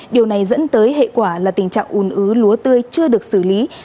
điều này dẫn tới hệ quả là tình trạng ùn ứ lúa tươi chưa được xử lý